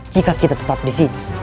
jika kita tetap di sini